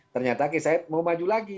ternyata kisah mau maju lagi